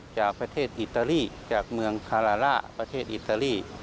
จากประเทศอิตาลีจากเมืองคาลาล่าประเทศอิตาลี